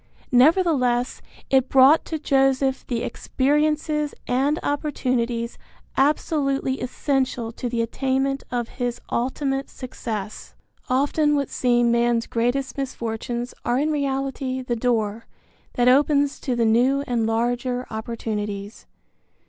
Nevertheless it brought to Joseph the experiences and opportunities absolutely essential to the attainment of his ultimate success. Often what seem man's greatest misfortunes are in reality the door that opens to the new and larger opportunities.